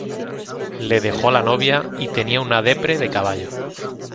Le dejó la novia y tenía una depre de caballo